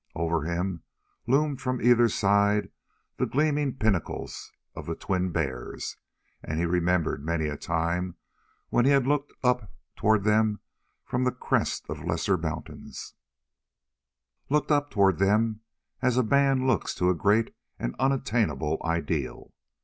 Over him loomed from either side the gleaming pinnacles of the Twin Bears, and he remembered many a time when he had looked up toward them from the crests of lesser mountains looked up toward them as a man looks to a great and unattainable ideal.